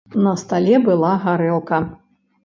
На стале была гарэлка.